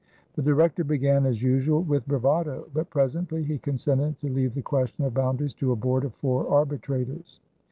The Director began as usual with bravado; but presently he consented to leave the question of boundaries to a board of four arbitrators.